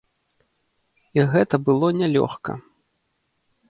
І гэта было нялёгка.